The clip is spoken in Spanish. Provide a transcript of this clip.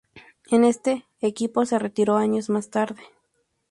En este equipo se retiró años más tarde.